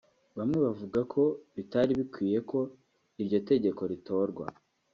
Bamwe bavuga ko bitari bikwiye ko iryo tegeko ritorwa